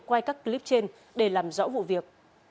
quay các clip trên để làm rõ vụ việc